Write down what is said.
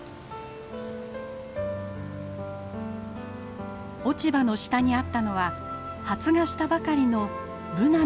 落ち葉の下にあったのは発芽したばかりのブナの実。